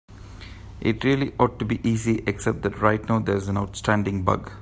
It really ought to be easy, except that right now there's an outstanding bug.